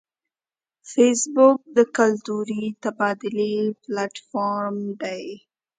فېسبوک د کلتوري تبادلې پلیټ فارم دی